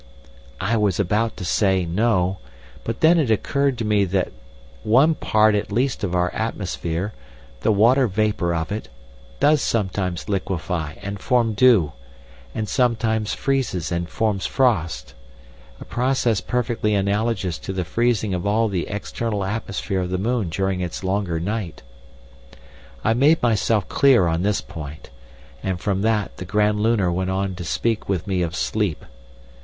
"I was about to say 'No,' but then it occurred to me that one part at least of our atmosphere, the water vapour of it, does sometimes liquefy and form dew, and sometimes freeze and form frost—a process perfectly analogous to the freezing of all the external atmosphere of the moon during its longer night. I made myself clear on this point, and from that the Grand Lunar went on to speak with me of sleep.